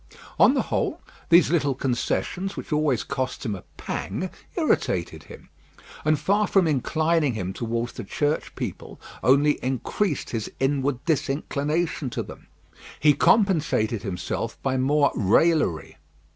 On the whole, these little concessions, which always cost him a pang, irritated him; and far from inclining him towards the Church people, only increased his inward disinclination to them. He compensated himself by more raillery.